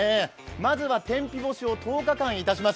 まずは天日干しを１０日間いたします。